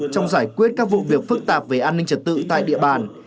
trong giải quyết các vụ việc phức tạp về an ninh trật tự tại địa bàn